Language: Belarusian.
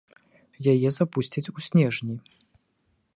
Яе запусцяць у снежні.